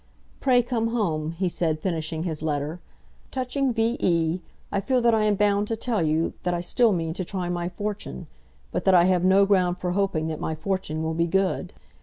"Pray come home," he said, finishing his letter. "Touching V. E., I feel that I am bound to tell you that I still mean to try my fortune, but that I have no ground for hoping that my fortune will be good.